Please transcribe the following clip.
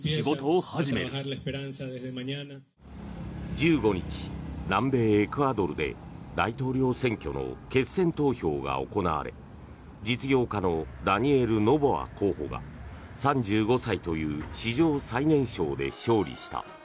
１５日、南米エクアドルで大統領選挙の決選投票が行われ実業家のダニエル・ノボア候補が３５歳という史上最年少で勝利した。